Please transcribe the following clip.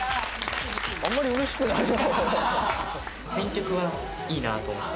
あんまり嬉しくないな。